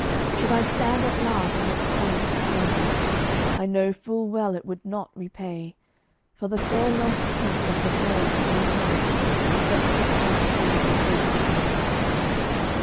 Should I stand at last on its summit's splendor, I know full well it would not repay For the fair lost tints of the dawn so tender That crept up over the edge o' day.